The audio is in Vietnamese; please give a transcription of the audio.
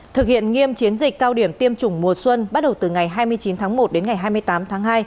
thực hiện nghiêm chiến dịch cao điểm tiêm chủng mùa xuân bắt đầu từ ngày hai mươi chín tháng một đến ngày hai mươi tám tháng hai